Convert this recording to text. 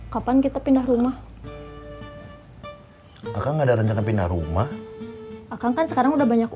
kapan kita pindah rumah akan ada rencana pindah rumah akang kan sekarang udah banyak